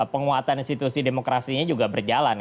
penguatan institusi demokrasinya juga berjalan